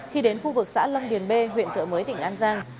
khi đến khu vực xã lâm điền bê huyện trợ mới tỉnh an giang